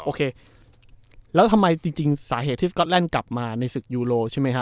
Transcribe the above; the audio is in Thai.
โอเคแล้วทำไมจริงสาเหตุที่สก๊อตแลนด์กลับมาในศึกยูโรใช่ไหมฮะ